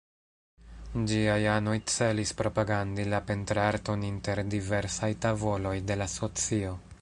Ĝiaj anoj celis propagandi la pentrarton inter diversaj tavoloj de la socio.